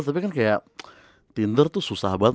tapi kan kayak tinder tuh susah banget